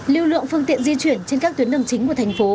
lưu lượng phương tiện di chuyển trên các tuyến đường chính của thành phố